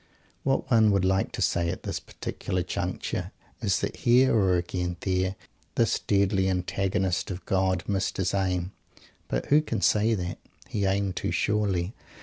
What one would like to say, at this particular juncture, is that here, or again there, this deadly antagonist of God missed his aim. But who can say that? He aimed too surely.